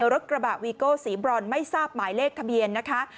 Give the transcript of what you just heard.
รถกระบะวีโก้สีบรอนไม่ทราบหมายเลขทะเบียนนะคะ